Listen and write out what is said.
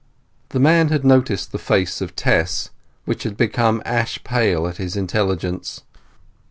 The man had noticed the face of Tess, which had become ash pale at his intelligence.